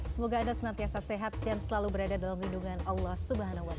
semoga anda senantiasa sehat dan selalu berada dalam lindungan allah swt